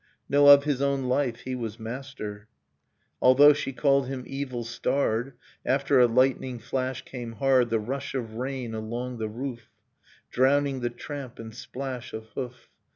No, of his own Ufe he was master; — Although she called him evil starred. After a lightning flash came hard The rush of rain along the roof, Drowning the tramp and splash of hoof.